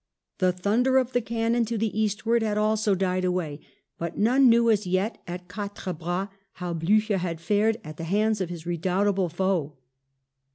The thunder of IX RETREAT ON WATERLOO 213 cannon to the eastward had also died away, but none knew as yet at Quatre Bras how Blucher had fared at the hands of his redoubtable foe.